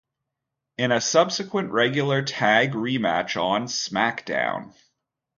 In a subsequent regular tag rematch on SmackDown!